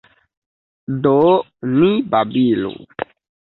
Do ni babilu.